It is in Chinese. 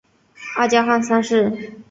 阿加汗三世。